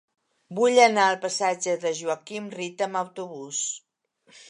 Vull anar al passatge de Joaquim Rita amb autobús.